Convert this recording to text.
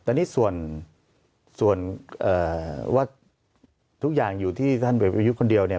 แต่นี่ส่วนว่าทุกอย่างอยู่ที่ท่านเบียบอายุคนเดียวเนี่ย